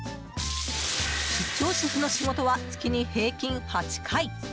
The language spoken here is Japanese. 出張シェフの仕事は月に平均８回。